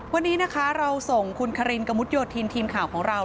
วันนี้นะคะเราส่งคุณคารินกระมุดโยธินทีมข่าวของเรา